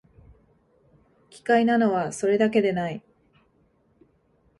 奇怪なのは、それだけでない